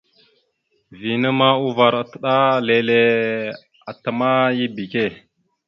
Vina ma uvar atəɗálele atəmáya ebeke.